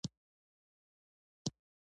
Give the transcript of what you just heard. لارښودنه وکړي.